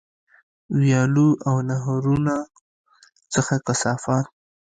ویالو او نهرونو څخه کثافات.